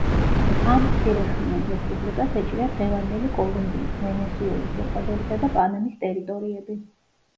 ამ მცირეხნიან რესპუბლიკას ეჭირა დღევანდელი კოლუმბიის, ვენესუელის, ეკვადორისა და პანამის ტერიტორიები.